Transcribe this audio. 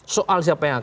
soal siapa yang harus